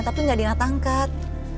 tapi gak diangkat angkat